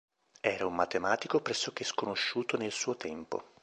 Era un matematico pressoché sconosciuto nel suo tempo.